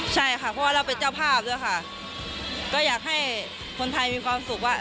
ใช่ค่ะเพราะว่าเราเป็นเจ้าภาพด้วยค่ะก็อยากให้คนไทยมีความสุขว่า